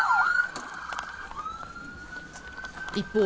一方